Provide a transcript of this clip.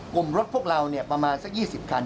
กลมรถพวกเราเนี่ยประมาณสัก๒๐คัน